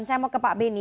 dan saya mau ke pak beni